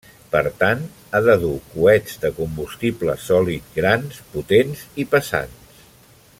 Per tant, ha de dur coets de combustible sòlid grans, potents i pesants.